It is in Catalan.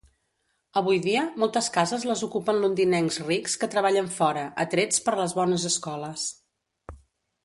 Avui dia, moltes cases les ocupen Londinencs rics que treballen fora, atrets per les bones escoles.